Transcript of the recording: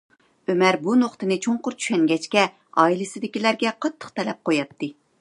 ئۆمەر بۇ نۇقتىنى چوڭقۇر چۈشەنگەچكە، ئائىلىسىدىكىلەرگە قاتتىق تەلەپ قوياتتى.